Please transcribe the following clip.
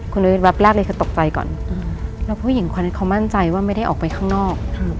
คุณอุ๊ยแวบแรกเลยคือตกใจก่อนแล้วผู้หญิงคนนี้เขามั่นใจว่าไม่ได้ออกไปข้างนอก